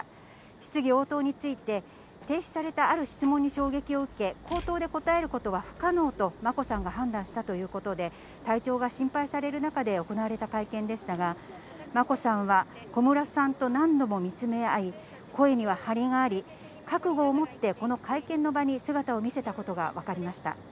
質疑応答について、提出されたある質問に衝撃を受け、口頭で答えることは不可能と眞子さんが判断したということで、体調が心配される中で行われた会見でしたが、眞子さんは、小室さんと何度も見つめ合い、声には張りがあり、覚悟を持ってこの会見の場に姿を見せたことが分かりました。